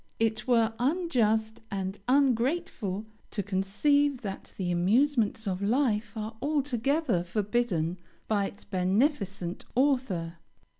It were unjust and ungrateful to conceive that the amusements of life are altogether forbidden by its beneficent Author.